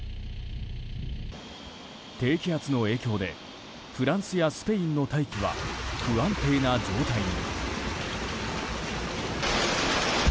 低気圧の影響でフランスやスペインの大気は不安定な状態に。